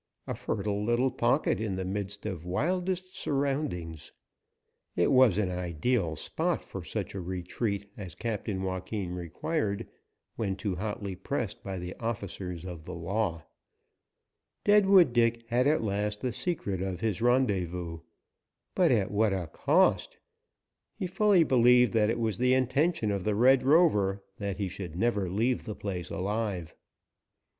A fertile little pocket in the midst of wildest surroundings, it was an ideal spot for such a retreat as Captain Joaquin required when too hotly pressed by the officers of the law. Deadwood Dick had at last the secret of his rendezvous. But at what a cost? He fully believed that it was the intention of the Red Rover that he should never leave the place alive.